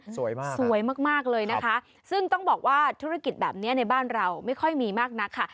สวยมากสวยมากเลยนะคะซึ่งต้องบอกว่าธุรกิจแบบนี้ในบ้านเราไม่ค่อยมีมากนักค่ะ